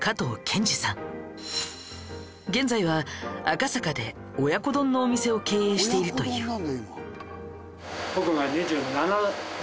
現在は赤坂で親子丼のお店を経営しているという。